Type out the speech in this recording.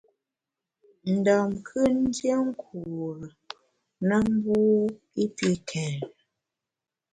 Ndam kù ndié nkure na mbu i pi kèn.